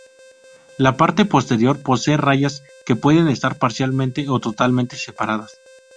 La parte posterior posee rayas que pueden estar parcial o totalmente separadas.